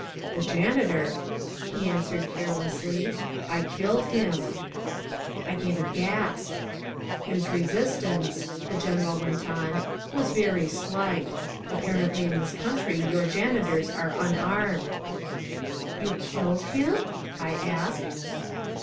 "The janitor," he answered carelessly, "I killed him." I gave a gasp. "His resistance," the general went on, "was very slight. Apparently in this country your janitors are unarmed." "You killed him?" I asked.